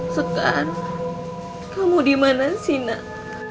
sekarang kamu dimana sih nak